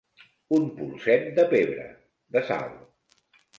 Un polset de pebre, de sal.